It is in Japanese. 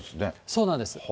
そうなんです。